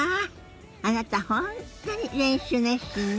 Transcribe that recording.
あなた本当に練習熱心ね。